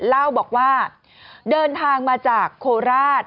เล่าบอกว่าเดินทางมาจากโคราช